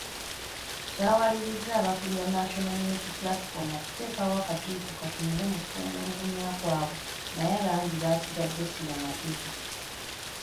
Kyawaliriza abakulira National Unity Platform okuteekawo akakiiko katunule mu kwemulugunya kwabwe naye bangi basigadde si bamativu.